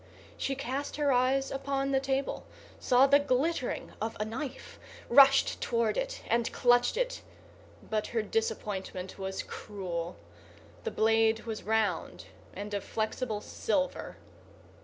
She cast her eyes upon the table, saw the glittering of a knife, rushed toward it and clutched it; but her disappointment was cruel. The blade was round, and of flexible silver.